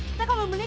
kita akan berpikir